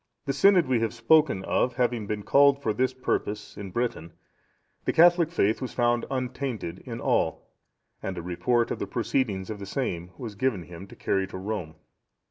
The synod we have spoken of having been called for this purpose in Britain, the Catholic faith was found untainted in all, and a report of the proceedings of the same was given him to carry to Rome.